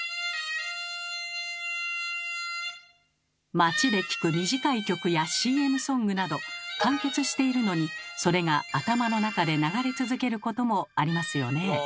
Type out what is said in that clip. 街で聞く短い曲やＣＭソングなど完結しているのにそれが頭の中で流れ続けることもありますよね。